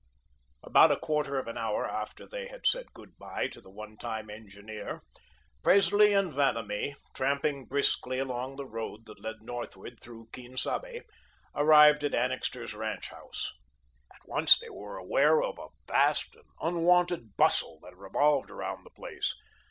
About a quarter of an hour after they had said goodbye to the one time engineer, Presley and Vanamee, tramping briskly along the road that led northward through Quien Sabe, arrived at Annixter's ranch house. At once they were aware of a vast and unwonted bustle that revolved about the place.